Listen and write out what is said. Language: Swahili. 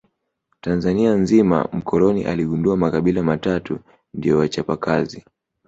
Tanzania nzima mkoloni aligundua makabila matatu ndio wachapa kazi